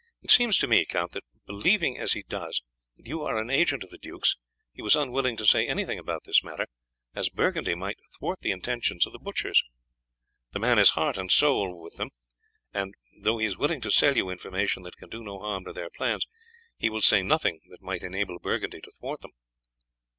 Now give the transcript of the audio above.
It seems to me, Count, that, believing as he does that you are an agent of the duke's, he was unwilling to say anything about this matter, as Burgundy might thwart the intentions of the butchers. The man is heart and soul with them, and though he is willing to sell you information that can do no harm to their plans, he will say nothing that might enable Burgundy to thwart them."